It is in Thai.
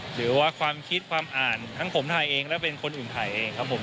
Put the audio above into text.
หรือว่าความคิดความอ่านทั้งผมถ่ายเองและเป็นคนอื่นถ่ายเองครับผม